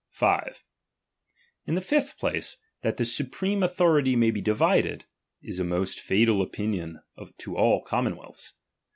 5. In the fifth place, that the supreme authority t may be divided, is a most fatal opinion to all com m monweals.